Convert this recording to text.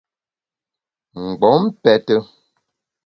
Mgbom pète.